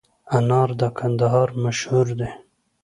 انار د کندهار مشهور دي